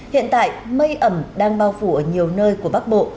hiện tại mây ẩm đang bao phủ ở nhiều nơi của bắc bộ